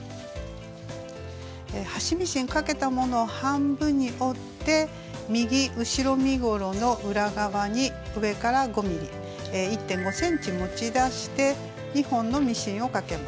端ミシンかけたものを半分に折って右後ろ身ごろの裏側に上から５ｍｍ１．５ｃｍ持ち出して２本のミシンをかけます。